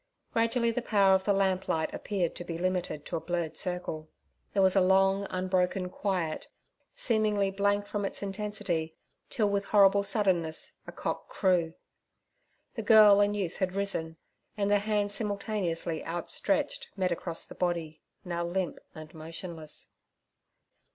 Gradually the power of the lamplight appeared to be limited to a blurred circle. There was a long unbroken quiet, seemingly blank from its intensity, till with horrible suddenness a cock crew. The girl and youth had risen, and their hands simultaneously outstretched met across the body, now limp and motionless.